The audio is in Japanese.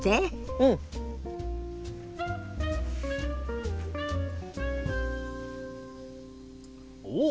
うん！おっ！